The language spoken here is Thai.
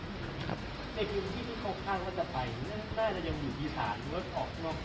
ในพื้นที่ที่เค้าข้างว่าจะไปน่าจะอยู่ที่ศาลหรือออกนอกพื้นที่เวลาทั้งที่